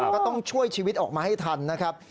ก็ต้องช่วยชีวิตออกมาให้ทันนะครับ